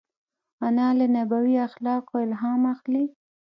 انا له نبوي اخلاقو الهام اخلي